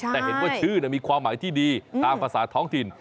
แต่เห็นว่าชื่อมีความหมายที่ดีตามภาษาท้องถิ่น